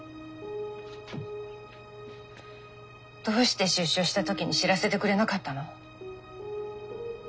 どうして出所した時に知らせてくれなかったの？